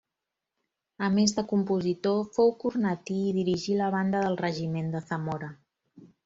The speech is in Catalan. A més de compositor fou cornetí i dirigí la banda del regiment de Zamora.